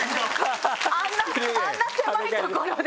あんな狭い所で？